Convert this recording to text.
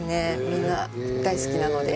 みんな大好きなので。